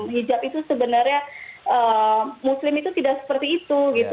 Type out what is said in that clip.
hijab itu sebenarnya muslim itu tidak seperti itu gitu